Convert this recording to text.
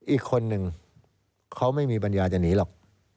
อีกคนนึงเขาไม่มีปัญญาจะหนีหรอก